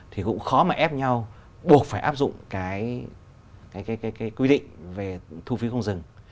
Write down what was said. thì cũng khó mà ép nhau buộc phải áp dụng cái quy định về thu phí không dừng